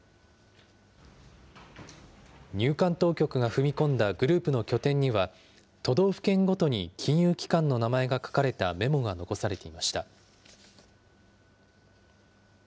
入管当局が踏み込んだグループの拠点には、都道府県ごとに金融機関の名前が書かれたメモが残されていました。